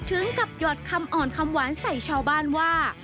ถึงกับหยอดคำอ่อนคำหวานใส่ชาวบ้านว่า